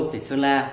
thịt sơn la